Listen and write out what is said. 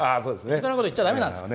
適当なこと言っちゃダメなんです。